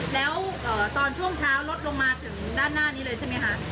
แล้วตอนช่วงเช้าลดลงมาถึงด้านหน้านี้เลยใช่ไหมคะ